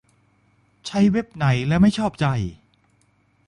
ใช้เว็บไหนแล้วไม่ชอบใจ